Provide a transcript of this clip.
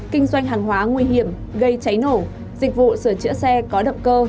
kinh doanh hàng hóa nguy hiểm gây cháy nổ dịch vụ sửa chữa xe có động cơ